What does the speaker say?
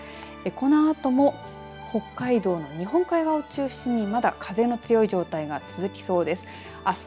このあとも北海道の日本海側を中心に、まだ風が強い状態が続きそうです。